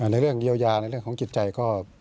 ในเรื่องเยียวยาในเรื่องของจิตใจก็